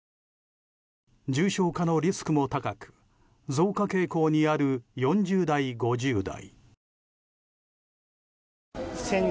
重症化のリスクも高く増加傾向にある４０代、５０代。